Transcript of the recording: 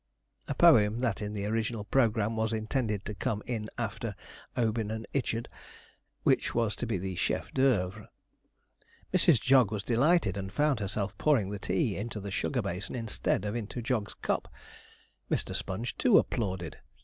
A poem that in the original programme was intended to come in after 'Obin and Ichard,' which was to be the chef d'oeuvre. Mrs. Jog was delighted, and found herself pouring the tea into the sugar basin instead of into Jog's cup. Mr. Sponge, too, applauded.